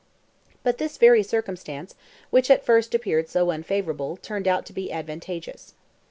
But this very circumstance, which at first appeared so unfavourable, turned out to be advantageous.